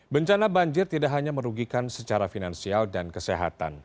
bencana banjir tidak hanya merugikan secara finansial dan kesehatan